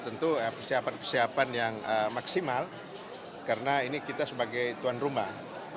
tentu persiapan persiapan yang maksimal karena ini kita sebagai tuan rumah